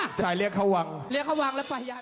เรียกเขาวั่ง